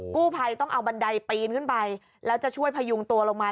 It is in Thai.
กู้ภัยต้องเอาบันไดปีนขึ้นไปแล้วจะช่วยพยุงตัวลงมา